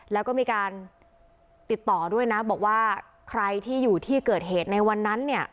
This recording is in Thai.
แล้วก็มีการติดต่อด้วยนะบอกว่าใครที่อยู่ที่เกิดเหตุในวันนั้นเนี่ย